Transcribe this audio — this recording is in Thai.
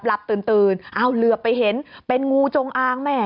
หลับตื่นตื่นอ้าวเหลือไปเห็นเป็นงูจงอางแม่